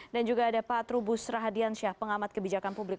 dan juga ada pak trubus rahadiansyah pengamat kebijakan publik